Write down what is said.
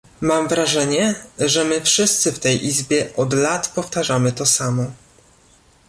Mam wrażenie, że my wszyscy w tej Izbie od lat powtarzamy to samo